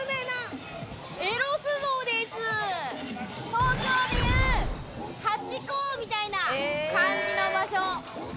東京でいうハチ公みたいな感じの場所。